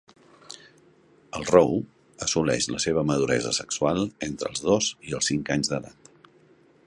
El Rohu assoleix la seva maduresa sexual entre els dos i els cinc anys d'edat.